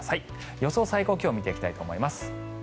予想最高気温を見ていきたいと思います。